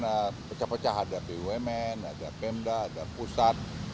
ada pecah pecah ada bumn ada pemda ada pusat